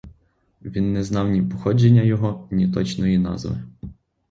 Він не знав ні походження його, ні точної назви.